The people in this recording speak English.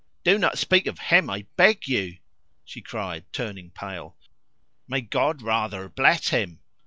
"Do not speak of him, I beg of you!" she cried, turning pale. "May God, rather, bless him!